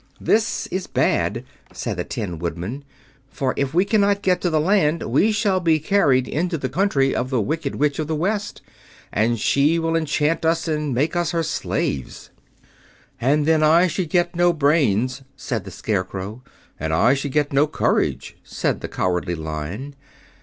"This is bad," said the Tin Woodman, "for if we cannot get to the land we shall be carried into the country of the Wicked Witch of the West, and she will enchant us and make us her slaves." "And then I should get no brains," said the Scarecrow. "And I should get no courage," said the Cowardly Lion.